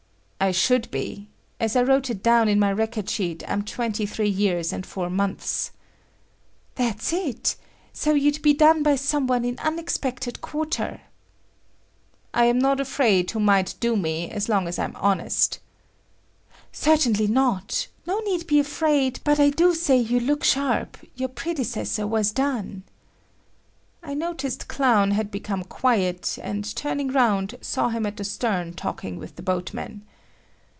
"I should be. As I wrote it down in my record sheet, I'm 23 years and four months." "That's it. So you'd be done by some one in unexpected quarter." "I'm not afraid who might do me as long as I'm honest." "Certainly not. No need be afraid, but I do say you look sharp; your predecessor was done." I noticed Clown had become quiet, and turning round, saw him at the stern talking with the boatman.